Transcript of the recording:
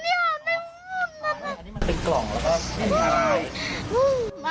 อันนี้มันเป็นกล่องหรอครับ